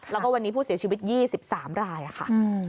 แล้วก็วันนี้ผู้เสียชีวิต๒๓รายค่ะ